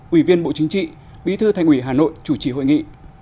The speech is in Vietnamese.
ủy viên bộ chính trị bí thư thành ủy hà nội chủ trì hội nghị